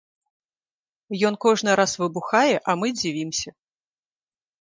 Ён кожны раз выбухае, а мы дзівімся.